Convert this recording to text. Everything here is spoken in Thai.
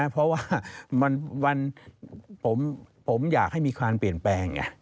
เพราะว่าผมอยากให้มีการเปลี่ยนแปลง